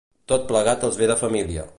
Tot plegat els ve de família.